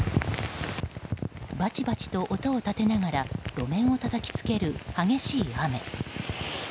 バチバチと音を立てながら路面をたたきつける激しい雨。